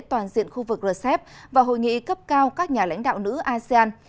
toàn diện khu vực rcep và hội nghị cấp cao các nhà lãnh đạo nữ asean